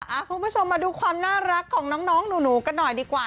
คุณผู้ชมมาดูความน่ารักของน้องหนูกันหน่อยดีกว่า